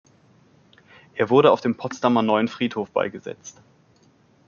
Er wurde auf dem Potsdamer Neuen Friedhof beigesetzt.